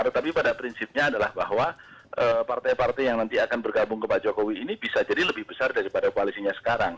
tetapi pada prinsipnya adalah bahwa partai partai yang nanti akan bergabung ke pak jokowi ini bisa jadi lebih besar daripada koalisinya sekarang